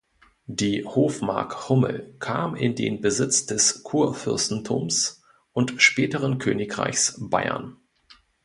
Die Hofmark Hummel kam in den Besitz des Kurfürstentums und späteren Königreichs Bayern.